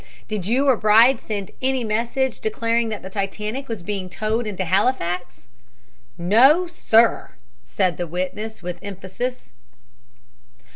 "Did you or Bride send any message declaring that the Titanic was being towed into Halifax?" "No, sir," said the witness, with emphasis.